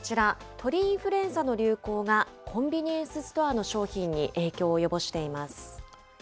鳥インフルエンザの流行がコンビニエンスストアの商品に影響を及ぼしています。